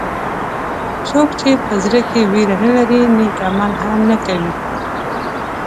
څوک چې په زړه کې وېره نه لري نیک عمل هم نه کوي.